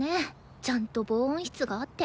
ちゃんと防音室があって。